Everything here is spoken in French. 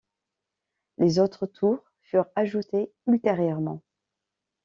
Les autres tours furent ajoutées ultérieurement.